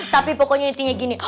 tapi pokoknya intinya gini